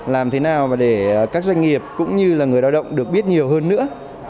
làm thế nào để các doanh nghiệp cũng như là người lao động được biết nhiều hơn nữa